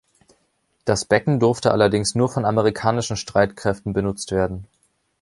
Das Becken durfte allerdings nur von Amerikanischen Streitkräften benutzt werden.